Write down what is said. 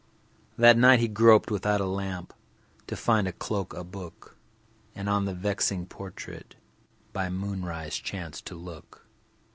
That night he groped without a lamp To find a cloak, a book, And on the vexing portrait By moonrise chanced to look.